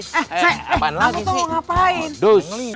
eh eh eh kamu tuh mau ngapain